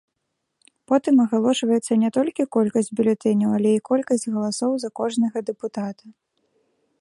Потым агалошваецца не толькі колькасць бюлетэняў, але і колькасць галасоў за кожнага дэпутата.